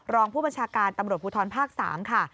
รองผู้บัญชาการตำรวจภูทรภาค๓ค่ะ